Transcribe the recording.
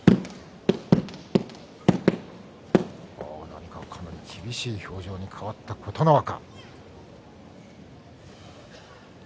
何か、かなり厳しい表情に変わった琴ノ若。